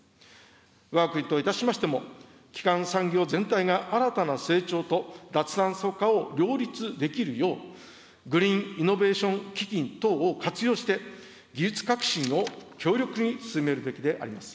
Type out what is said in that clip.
わが国といたしましても、基幹産業全体が新たな成長と脱炭素化を両立できるよう、グリーンイノベーション基金等を活用して、技術革新を強力に進めるべきであります。